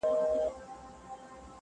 وي